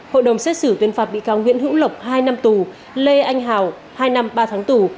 hội đồng xét xử tuyên phạt bị cáo nguyễn hữu lộc hai năm tù lê anh hào hai năm ba tháng tù